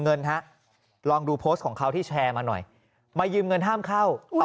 เงินฮะลองดูโพสต์ของเขาที่แชร์มาหน่อยมายืมเงินห้ามเข้า